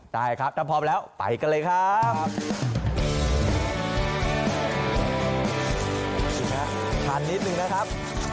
ถ้าพรบแล้วไปกันเลยครับ